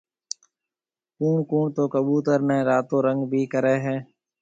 ڪوُڻ ڪوُڻ تو ڪٻُوتر نَي راتو رنگ ڀِي ڪريَ هيَ۔